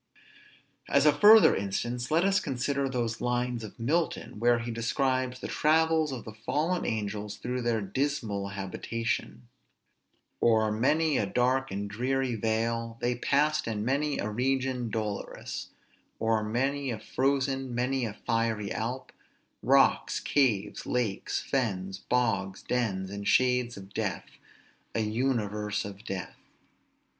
As a further instance, let us consider those lines of Milton, where he describes the travels of the fallen angels through their dismal habitation: "O'er many a dark and dreary vale They passed, and many a region dolorous; O'er many a frozen, many a fiery Alp; Rocks, caves, lakes, fens, bogs, dens, and shades of death, A universe of death."